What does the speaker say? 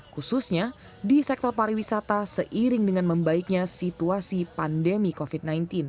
khususnya di sektor pariwisata seiring dengan membaiknya situasi pandemi covid sembilan belas